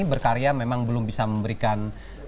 berkarya memang belum bisa memberikan